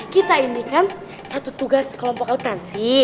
kita ini kan satu tugas kelompok autansi